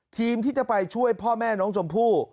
ทีมที่จะไปช่วยพ่อแม่น้องชมพู่